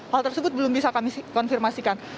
hal tersebut belum bisa kami konfirmasikan